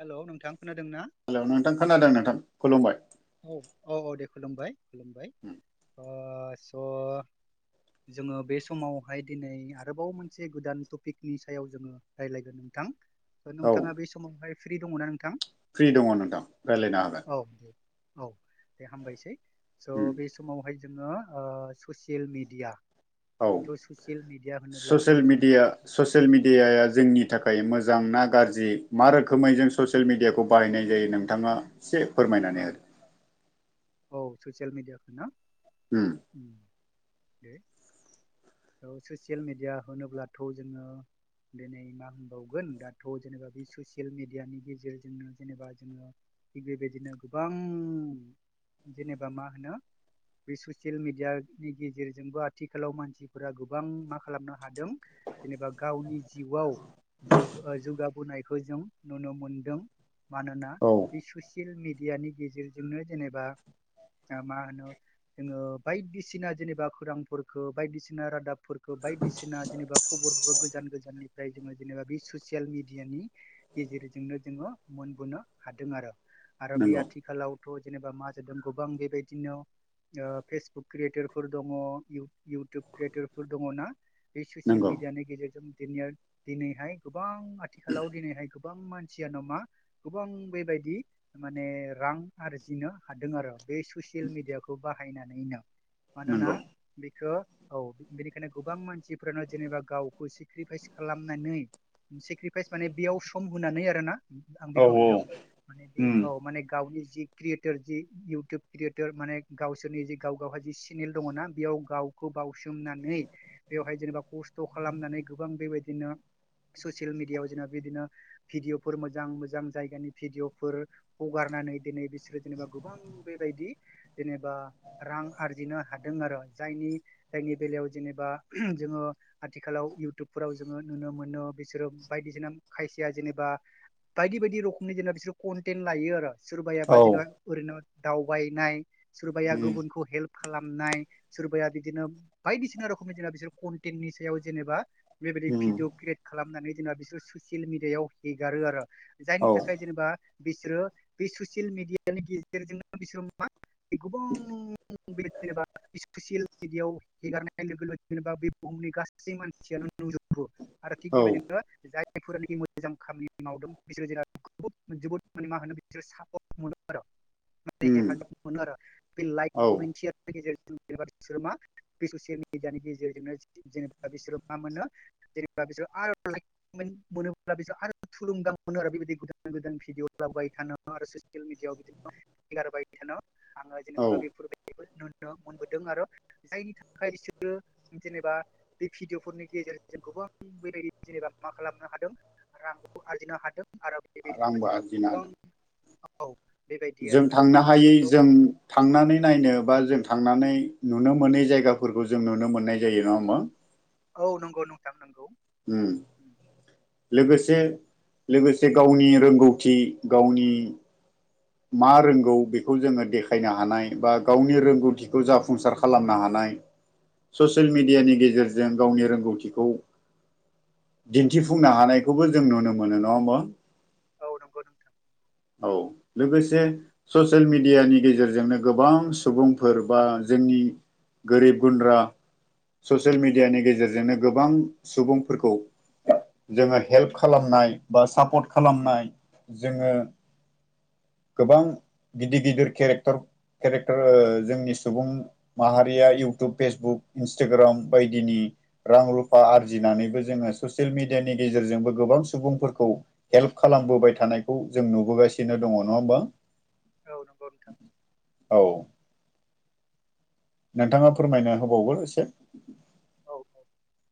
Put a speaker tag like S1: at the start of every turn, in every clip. S1: हेल' नोंथां। खोनादों ना?
S2: हेल' नोंथां खोनादों नोंथां खुलुमबाय।
S1: औ औ औ दे खुलुमबाय खुलुमबाय स' जोङो बे समावहाय दिनै आरोबाव मोनसे गोदान टपिकनि सायाव जोङो रायज्लायगोन। नोंथां
S2: औ
S1: नोंथाङा बे समावहाय फ्रि दङ ना नोंथां।
S2: फ्रि दङ नोंथां रायज्लायनो हागोन।
S1: औ दे औ दे हामबायसै स'
S2: उम
S1: बे समावहाय जोङो ससियेल मेडिया
S2: औ ससियेल
S1: जोङो आथिखाल
S2: मिडियाया जोंनि थाखाय मोजां। मोजां ना गाज्रि मा रोखोमै जों ससियेल मिडियाखौ बाहायनाय जायो नोंथाङा। एसे फोरमायनानै
S1: औ
S2: हो।
S1: औ ससियेल मिडियाखौ ना
S2: होदो उम
S1: दे। ससियेल मेडिया होनोब्लाथ' जोङो। दिनै मा होनबावगोन दाथ' जेनेबा बे ससियेल मेडियानि गेजेरजोंनो जेनेबा जोङो थिग बेबायदिनो गोबां जेनेबा मा होनो। बे ससियेल मिडियानि गेजेरजोंबो आथिखालाव मानसि। फोर गोबां मा खालामनो हादों जेनेबा गावनि जिउआव। जौगाबोनायखौ जों नुनो मोनदों मानोना
S2: औ
S1: बे। ससियेल मिडियानि गेजेरजोंनो जेनेबा। मा होनो जोङो बायदिसिना जेनेबा खोरांफोरखौ बायदिसिना। बायदिसिना रादाबफोरखौ बायदिसिना जेनेबा खबरफोरखौ गोजान गोजाननिफ्राय जोङो जेनेबा बे ससियेल मिडियानि। नि गेजेरजोंनो जोङो मोनबोनो हादों आरो आरो बे
S2: नंगौ
S1: आथिखालाव। थ' जेनेबा मा जादों गोबां बेबायदिनो। फेसबुक क्रियेटरफोर दङ इउटुब। क्रियेटरफोर दङना बे ससियेल
S2: नंगौ
S1: मिडियानि गेजेरजों दिनिया दिनैहाय गोबां आथिखालाव दिनैहाय गोबां मानसियानो मा गोबां बेबाय दि माने रां आरजिनो हादों आरो बे ससियेल मिडियाखौ बाहायनानैनो मानोना
S2: नंगौ
S1: बिखौ औ बेनिखायनो गोबां मानसिफोरानो जेनेबा गावखौ सेक्रिफाइस खालामनानै सेक्रिफाइस माने बेयाव सम होनानै आरो ना
S2: औ औ
S1: माने बे औ माने गावनि जि क्रियेटर जि इयउटुब क्रियेटर माने गावसोरनि जि गाव गावहा जि सिनेल दङना बेयाव गाव खौ बावसोमनानै बेवहाय जेनेबा खस्थ' खालामनानै गोबां बेबायदिनो ससियेल मिडियाव जेनेबा बिदिनो भिडिअफोर मोजां मोजां जायगानि भिडिअफोर हगार होननानै दिनै बिसोरो जेनेबा गोबां बेबायदि जेनेबा रां आरजिनो हादों आरो जायनि जायनि बेलायाव जेनेबा जोङो आथिखालाव इउटुबफोराव जोङो नुनो मोनो बिसोरो बायदिसिना खायसेया जेनेबा बायदि बायदि रोखोमनि जेनेबा बिसोर कन्टेन्ट लायो आरो सोरबाया
S2: औ
S1: बाजि लाख एरैनो दावबायनाय सोरबाया
S2: उम
S1: गुबुनखौ हेल्प खालामनाय सोरबाया बिदिनो बायदिसिना रोखोमनि जेनेबा बिसोर कनटेन्टनि सायाव जेनेबा बेबायदि
S2: उम
S1: भिदिअ क्रियेट खालामनानै बिसोर ससियेल मिडिआव हेगारो आरो जायनि
S2: औ
S1: थाखाय जेनेबा बिसोरो बे ससियेल मि डियानि गेजेरजों बिसोर गोबां जेनेबा ससियेल बिदियाव हेगारनाय लोगो लोगो जेनेबा बे बुहुमनि गासै मानसियानो नुजोबो आरो थिग
S2: औ
S1: बेबायदिनो जाय फोरनिकि मोजां खामानि मावदों बिसोरो बिराद जोबोद जोबोद मा होनो बिसोरो सापर्ट मोनो आरो माने
S2: उम
S1: हेफाजाब मोनो आरो बे लाइक
S2: औ
S1: कमेन्ट सेयार नि गेजेरजों बेबादि बिसोर मा बे ससियेल मिडियानि गेजेरजोंनो जेनेबा बिसोर मा मोनो जेनेबा बिसोर आरो लाइक कमेन्द मोनोब्ला बेसोर आरो थुलुंगा मोनो आरो बेबायदि गोदान गोदान भिडिअ लाबोबाय थानो आरो ससियेल मिडियाव बिदिनो हेगारबाय थानो आङो
S2: औ
S1: जेनेबा बेफोरबायदिखौ नुनो मोनबोदों आरो जायनि थाखाय बिसोरो जेनेबा बे भिडिअफोरनि गेजेरजोंजों गोबां बेबायदि एबा मा खालामनो हादों रांखौ आरजिनो हादों आरो बेबायदिनो
S2: रांबो
S1: जेनेबा
S2: आरजिनो
S1: गोबां
S2: हादों
S1: औ बेबायदि
S2: जों
S1: आरो
S2: थांनो हायै जों थांनानै नायनो बा जों थांनानै नुनो मोनै जायगाफोरखौ जों नुनो मोननाय जायो नङा होमबा
S1: औ नंगौ नोंथां नं
S2: उम लोगोसे लोगोसे गावनि रोंगौथि गावनि मा रोंगौ बेखौ जोङो देखायनो हानाय बा गावनि रोंगौथिखौ जाफुंसार खालामनो हानाय ससियेल मिडियानि गेजेरजों गावनि रोंगौथिखौ दिन्थिफुंनो हानायखौबो जों नुनो मोनो नङा होनबा
S1: औ नंगौ नोंथां
S2: लोगोसे ससियेल मिडियानि गेजेरजोंनो गोबां सुबुंफोर बा जोंनि गोरिब गुन्द्रा ससियेल मिडियानि गेजेरजोंनो गोबां सुबुंफोरखौ जोङो हेल्प खालामनाय बा सापर्ट खालामनाय जोङो गोबां गिदिर गिदिर केरेकटार केरेक्टार ओ जोंनि सुबुं माहारिया इउटुब फेसबुक इन्सटाग्राम बायदिनि रां रुफा आरजिनानैबो जोङो ससियेल मिडियानि गेजेरजोंबो गोबां सुबुंफोरखौ हेल्प खालामबोबाय थानायखौ जों नुबोगासिनो दङ नङा होमबा
S1: औ नंगौ नोंथां
S2: औ नोंथाङा फोरमायनो होबागोन एसे
S1: औ औ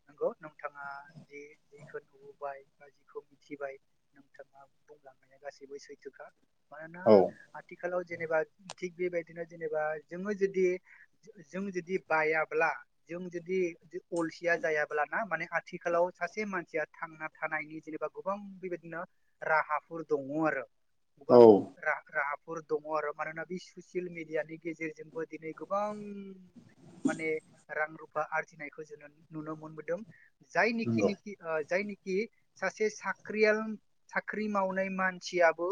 S1: नंगौ नोंथाङा जि जिखौ नुबोबाय बा जिखौ मिथिबाय नोंथाङा बुंलांनाय गासैबो सैथोखा मानोना
S2: औ
S1: आथिखालाव जेनेबा थिग बेबायदिनो जेनेबा जोङो जुदि जों जुदि बायाब्ला जों जुदि अलसिया जायाब्लाना माने आथिखालाव सासे मानसिया थांना थानायनि जेनेबा गोबां बेबायदि बिदिनो राहाफोर दङ आरो
S2: औ
S1: गोबां राहा फोर दङ आरो मानोना बे ससियेल मेडियानि गेजेरजोंबो दिनै गोबां माने रां रुफा आरजिनायखौ जोङो नुनो मोनबोदों जाय निखि
S2: नंगौ
S1: निखि जाय निखि खि सासे साख्रियाल साख्रि मावनाय मानसियाबो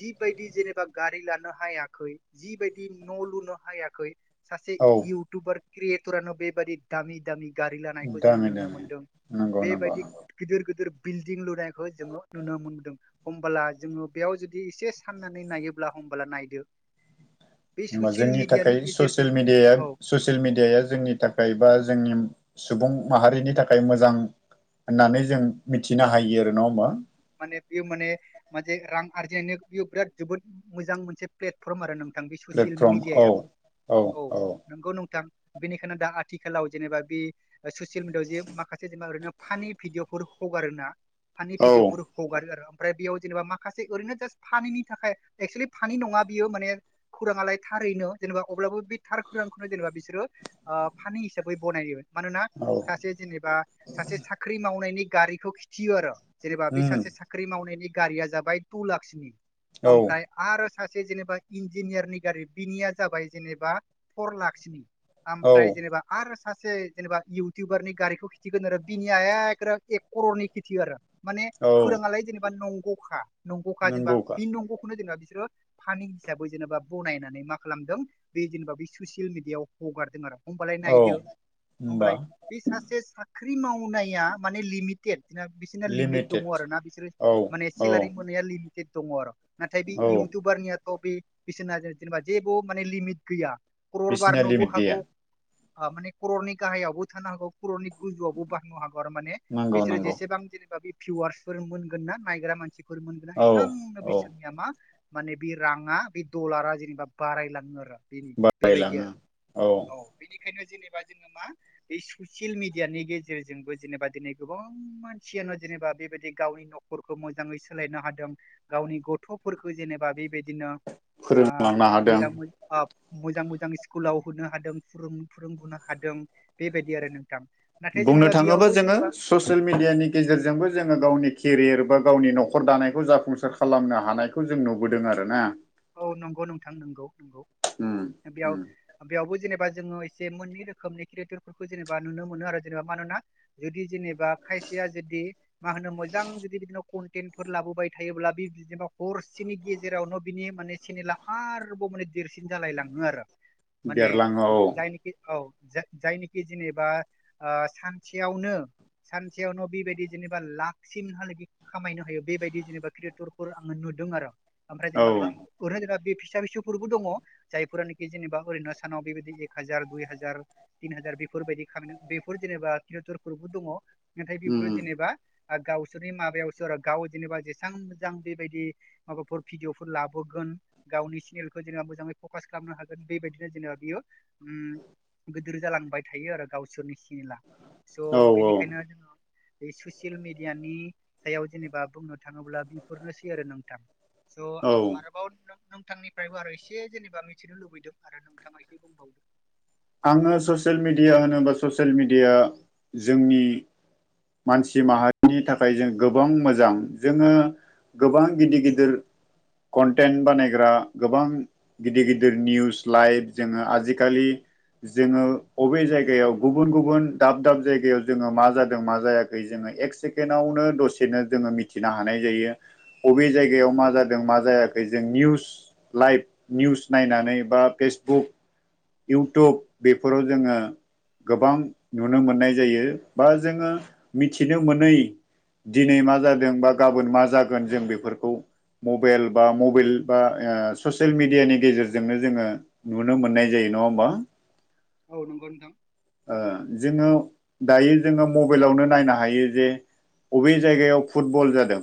S1: जिबायदि जेनेबा गारि लानो हायाखै जिबायदि न' लुनो हायाखै सासे
S2: औ
S1: इउटुबार क्रियेटरानो बेबादि दामि दामि गारि लानायखौ जोङो
S2: दामि
S1: नुनो
S2: दामि
S1: मोनदों
S2: नंगौ नंगौ
S1: बेबायदि
S2: नंगौ
S1: गिदोर गोदोर बिल्दिं लुनायखौ जोङो नुनो मोनबोदों हमबला जोङो बेयाव जुदि एसे साननानै नायोब्ला हमबला नायदो बे
S2: होमबा
S1: ससियेल
S2: जोंनि
S1: मिडियानि
S2: थाखाय
S1: गेजेरजों
S2: ससियेल मिडिया
S1: औ
S2: ससियेल मिडियाया जोंनि थाखाय बा जोंनि सुबुं माहारिनि थाखाय मोजां होननानै जों मिथिनो हायो आरो न होनबा
S1: बिय माने मोसे रां आरजिनायनि बिय बिराद जोबोद मोजां मोनसे प्लेटफर्म आरो नों थां बे ससियेल
S2: प्लेटफर्म औ
S1: मिडियाबो औ नंगौ नोंथां बेनिखायनो दा आथिखालाव जेनेबा बे ससियेल मिडिआव जे माखासे जेनेबा ओरैनो फानि भिडिअफोर हगारो ना फानि भिडअ
S2: औ
S1: हगारो आरो ओमफ्राय बेयाव जेनेबा माखासे ओरैनो जास्ट फानिनि थाखाय एक्चुलि फानि नङा बियो माने [unintelligible] ङालाय थारैनो जेनेबा अब्लाबो बे थार खुरांखोनो जेनेबा बिसोरो फानि हिसाबै बनायो मानोना
S2: औ
S1: सासे जेनेबा सासे साख्रि मावनायनि गारिखौ खिथियो आरो जेनेबा बे
S2: उम
S1: सासे साख्रि मावनायनि गारिया जाबाय टु लाखसनि
S2: औ
S1: ओमफ्राय आरो सासे जेनेबा इन्जिनियारनि गारि बिनिया जाबाय जेनेबा फर लाखसनि
S2: औ
S1: ओमफ्राय जेनेबा आरो सासे जेनेबा इउटुबारनि गारिखौ खिथिगोन आरो बिनिया एकोरो एक कररनि खिथियो आरो माने
S2: औ
S1: खुराङालाय जेनेबा नंग'खा नंग'खा जेनेबा
S2: नंगौखा
S1: बे नंग'खौनो जेनेबा बिसोरो फानि हिसाबै जेनेबा बनायनानै मा खालामदों बे जेनेबा बे ससियेल मिडियाआव हगारदों आरो हमबालाय
S2: औ
S1: नायदो
S2: होमबा
S1: हबालाय बि सासे सा ख्रि मावनाया माने लिमिटेद ना सिना लिमिट दङ
S2: लिमिटेड
S1: आरो ना बिसोरो
S2: औ
S1: माने
S2: औ
S1: सेलेरारि मोनाया लिमिट दङ आरो नाथाय बे
S2: औ
S1: इउटुबारनियाथ' बे बिसिना जेनेबा जेबो माने लिमिट गैया
S2: बिसिनिया
S1: क्ररबारनबो
S2: लिमिट गैया
S1: हागौ माने ख्रर'नि गाहायावबो थानो हागौ ख्रर'नि गोजौआवबो बारनो हाग आरो माने
S2: नंगौ
S1: बिसोरो
S2: नंगौ
S1: जेसेबां बे भिवार्सफोर मोनगोन ना नायग्रा मानसिफोर मोनगोन ना
S2: औ
S1: एसांनो
S2: औ
S1: बिसोरनिया मा माने बे राङा बे डलारा जेनेबा बारायलाङो आरो बेनि बेबायदि
S2: बारायलाङो
S1: आरो औ बेनिखायनो जेनेबा जोङो मा बे सुसियेल मिडियानि गेजेरजोंबो जेनेबा दिनै गोबां मानसियानो जेनेबा बेबायदि गावनि नखरखौ मोजाङै सोलायनो हादों गावनि गथ'फोरखौ जेनेबा बेबायदि बिदिनो
S2: फोरोंलांनो हादों
S1: मोजां [unintelligible] मोजां मोजां स्कुलाव होनो हादों फोरोंबोनो हादों बेबायदि आरो नोंथां नाथाय
S2: बुंनो
S1: जेनेबा
S2: थाङोबा
S1: बेयावबो
S2: जोङो
S1: जेनेबा
S2: ससियेल मिडियानि गेजेरजोंबो जोङो गावनि केरियार बा गावनि न'खर दानायखौ जाफुंसार खालामनो हानायखौ जों नुबोदों आरो ना
S1: औ नंगौ नोंथां नंगौ नंगौ
S2: उम
S1: बेयाव
S2: उम
S1: बेयावबो जेनेबा जङ एसे मोननै रोखोमनि जेबा नुनो मोनो आरो जेनेबा मानोना जुदि जेनेबा खायसे [unintelligible] मा होनो मोजां जुदि बिदिनो कनटेन्टफोर लाबोबाय थायोब्ला बेबादि हरसेनि गे जेरावनो बिनि माने चेनेला आरोबाव माने देरसिन जालाय लाङो आरो माने
S2: देरलाङो औ
S1: जायनोखि औ जायनिखि जेनेबा सानसेयावनो सानसेयावनो बेबायदि जेनेबा लाखसिमहालागि खामायनो हायो बेबायदि जेनेबा क्रियेटरफोर आङो नुदों आरो ओमफ्राय
S2: औ
S1: जेनेबा [unintelligible] बे फिसा फिसौफोरबो दङ जायफोरानोखि जेनेबा अरैन' सानाव बेबायदि एक हाजार दुइ हाजार तिन हाजार फोरबायदि खालामनो बेफोर जेनेबा क्रियेटरफोरबो दङ नाथाय बेफोरो
S2: उम
S1: जेनेबा आरो गावसोरनि माबायावसो गाव जेनेबा जेसेबां मोजां बेबायदि माबाफोर भिदिअ खौ लाबोगोन गावनि चेनेलखौ जेनेबा मोजाङै फकास खालामनो हागोन बेबायदिनो जेनेबा बियो उम गोदोर जालांबाय थायो आरो गावसोरनि सेनेला
S2: औ
S1: स'
S2: औ
S1: बेनिखायनो जोङो बे ससियेल मिडियानि सायाव जेनेबा बुंनो थाङोब्ला बेफोरनोसै आरो नोंथां
S2: औ
S1: आं आरोबाव नोंथां नोंथांनिफ्रायबो आरो एसे जेनेबा मिथिनो लुबैदों आरो नोंथाङा एसे बुंबाव
S2: आङो ससियेल मिडिया होनोबा ससियेल मिडिया जोंनि मानसि माहारिनि थाखाय जों गोबां मोजां जोङो गोबां गिदिर गिदिर कन्टेन्ट बानायग्रा गोबां गिदिर गिदिर निउस लाइभ जोङो आजिखालि जोङो अबे जायगायाव गुबुन गुबुन दाब दाब जायगायाव जोङो मा जादों मा जायाखै जोङो एक सेकेणडआवनो दसेनो जोङो मिथिनो हानाय जायो अबे जायगायाव मा जादों मा जाया खै जों निउस लाइभ निउस नायनानै बा फेसबुक इउटुब बेफोराव जोङो गोबां नुनो मोननाय जायो बा जोङो मिथिनो मोनै दिनै मा जादों बा गाबोन मा जागोन जों बेफोरखौ मबाइल बा मबाइल बा ओ ससियेल मिडियानि गेजेरजोंनो जोङो नुनो मोननाय जायो नङा होमबा
S1: औ नंगौ नोंथां
S2: ओ जोङो दायो जोङो मबाइलावनो नायनो हायो जे बबे जायगायाव फुटबल जादों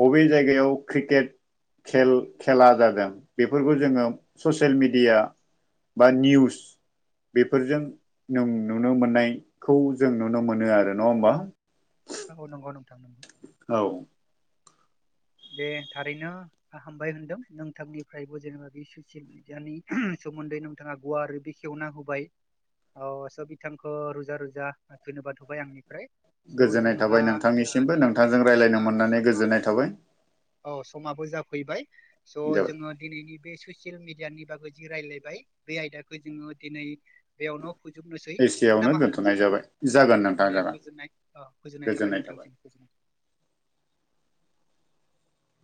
S2: बबे जायगायाव क्रिकेट खेल खेला जादों बेफोरखौ जोङो ससियेल मिडिया बा निउस बेफोरजों नों नुनो मोननायखौ जों नुनो मोनो आरो नङा होमबा
S1: नंगौ नंगौ नोंथां नों
S2: औ
S1: दे थारैनो फाहामबाय होनदों नोंथांनिफ्रायबो जेनेबा बे ससियेल मिडियानि सोमोन्दै नोंथाङा गुवारै बेखेवना होबाय औ स' बिथांखौ रोजा रोजा धैनयबाद होबाय आंनिफ्राय स'
S2: गोजोननाय
S1: जोंहा
S2: थाबाय
S1: ओ
S2: नोंथांनिसिमबो
S1: नियम बायदियै
S2: नोंथांजों
S1: जोंहा
S2: रायज्लायनो मोननानै
S1: समाबो
S2: गोजोननाय थाबाय
S1: औ समाबो जाफैबाय स'
S2: जाबाय
S1: जोङो दिनैनि बे ससियेल मिडियानि बाबो जि रायज्लायबाय बे आयदाखौ जोङो दिनै बेयावनो फोजोबनोसै
S2: एसेयावनो
S1: ना मा होनो
S2: दोनथ'नाय
S1: नोंथां
S2: जाबाय जागोन नोंथां
S1: औ दे
S2: जागोन
S1: गोजोननाय औ गोजोननाय थाबाय नोंथां नोंथांनिसिम गोजोनथों